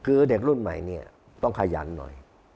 คือเด็กรุ่นใหม่เนี่ยต้องขยันหน่อย